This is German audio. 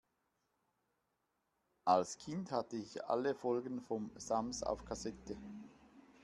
Als Kind hatte ich alle Folgen vom Sams auf Kassette.